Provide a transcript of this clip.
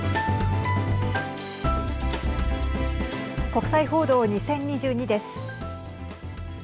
国際報道２０２２です。